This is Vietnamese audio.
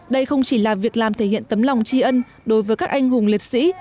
đây không chỉ là việc làm thể hiện tấm lòng tri ân đối với các anh hùng liệt sĩ